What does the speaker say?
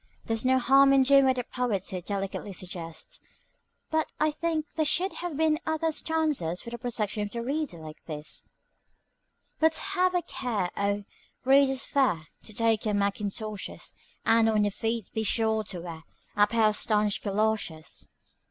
There's no harm in doing what the poet so delicately suggests, but I think there should have been other stanzas for the protection of the reader like this: "But have a care, oh, readers fair, To take your mackintoshes, And on your feet be sure to wear A pair of stanch galoshes.